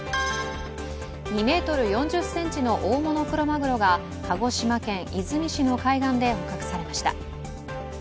２ｍ４０ｃｍの大物クロマグロが鹿児島県出水市の海岸で捕獲されました。